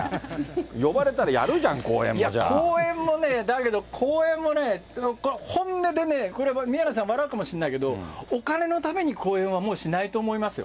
呼ばれたやるじゃん、講演も、じ講演もね、だけど、講演もね、これ、本音でね、宮根さん、笑うかもしれないけれども、お金のために講演はもうしないと思いますよ。